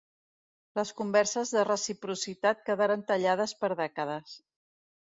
Les converses de reciprocitat quedaren tallades per dècades.